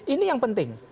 ini yang penting